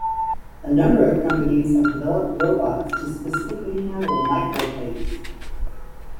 A number of companies have developed robots to specifically handle microplates.